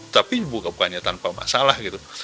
tapi bukannya tanpa masalah gitu